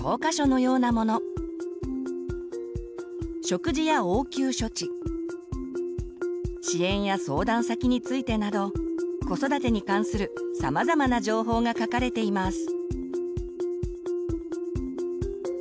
食事や応急処置支援や相談先についてなど子育てに関するさまざまな情報が書かれています。